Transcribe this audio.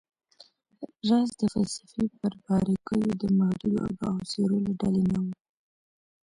راز د فلسفې پر باریکیو د محدودو آګاهو څیرو له ډلې نه و